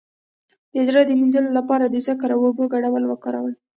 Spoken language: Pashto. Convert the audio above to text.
د زړه د مینځلو لپاره د ذکر او اوبو ګډول وکاروئ